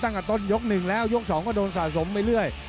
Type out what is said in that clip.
ตั้งแต่ต้นยก๑แล้วยก๒ก็โดนสะสมไปเรื่อย